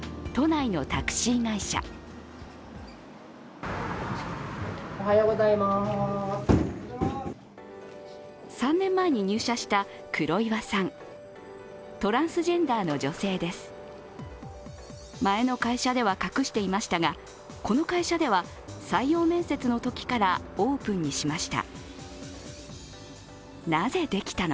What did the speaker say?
前の会社では隠していましたがこの会社では採用面接のときからオープンにしました。